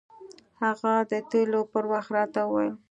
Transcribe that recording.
هغه د تلو پر وخت راته وويل.